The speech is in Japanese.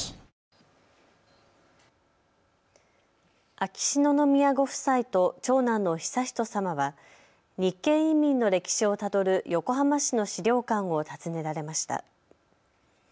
秋篠宮ご夫妻と長男の悠仁さまは日系移民の歴史をたどる横浜市の資料館を訪ねられました。